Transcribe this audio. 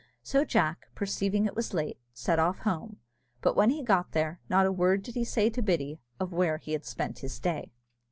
So Jack, perceiving it was late, set off home; but when he got there, not a word did he say to Biddy of where he had spent his day.